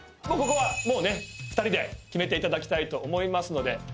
ここは２人で決めていただきたいと思いますので。